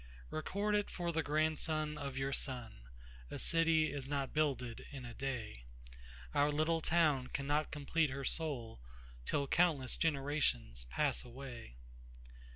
Record it for the grandson of your son—A city is not builded in a day:Our little town cannot complete her soulTill countless generations pass away.